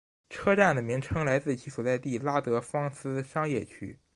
车站的名称来自其所在地拉德芳斯商业区。